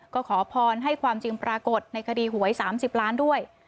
ก็ขอพรให้ความจริงปรากฏในคดีหวย๓๐ล้านด้วย